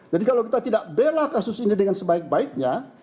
jadi kalau kita tidak bela kasus ini dengan sebaik baiknya